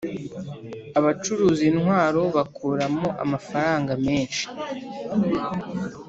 abacuruza intwaro bakuramo amafaranga menshi